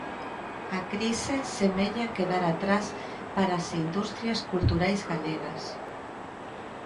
A crise semella quedar atrás para as industrias culturais galegas.